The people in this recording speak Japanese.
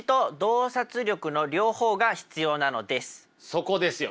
そこですよ。